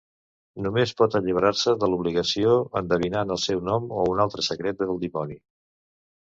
Només pot alliberar-se de l'obligació endevinant el seu nom o un altre secret del dimoni.